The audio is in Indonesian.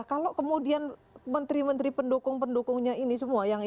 kalau kemudian menteri menteri pendukung pendukungnya ini semua